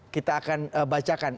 kita akan bacakan